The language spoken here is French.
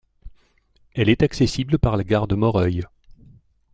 Elle est accessible par la gare de Moreuil.